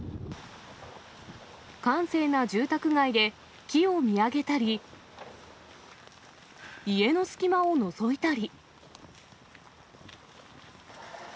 閑静な住宅街で、木を見上げたり、家の隙間をのぞいたり。